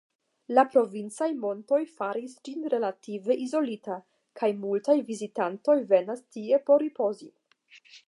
La provincaj montoj faris ĝin relative izolita, kaj multaj vizitantoj venas tie por ripozi.